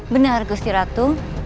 benar kusti ratu